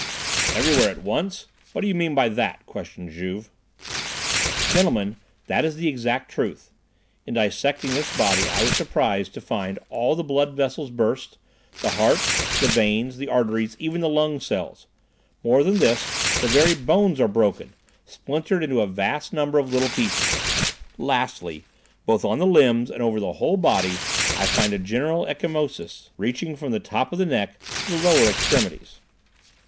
"Everywhere at once? What do you mean by that?" questioned Juve. "Gentlemen, that is the exact truth. In dissecting this body I was surprised to find all the blood vessels burst, the heart, the veins, the arteries, even the lung cells. More than this, the very bones are broken, splintered into a vast number of little pieces. Lastly, both on the limbs and over the whole body I find a general ecchymosis, reaching from the top of the neck to the lower extremities."